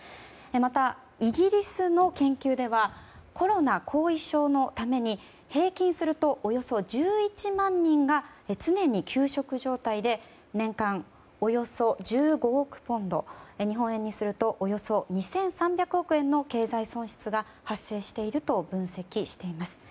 また、イギリスの研究ではコロナ後遺症のために平均すると、およそ１１万人が常に休職状態で年間およそ１５億ポンド日本円にするとおよそ２３００億円の経済損失が発生していると分析しています。